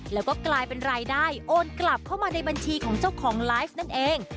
แล้วก็กลายเป็นรายได้โอนกลับเข้ามาในบัญชีของเจ้าของไลฟ์นั่นเอง